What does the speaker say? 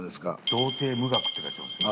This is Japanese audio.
「童亭無学」って書いてますよ。